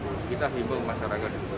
kita membuat masyarakat dulu